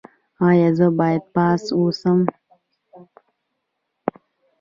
ایا زه باید پاس اوسم؟